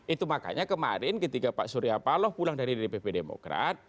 itu makanya kemarin ketika pak surya paloh pulang dari dpp demokrat